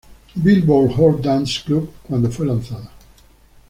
Billboard Hot Dance Club cuando fue lanzada.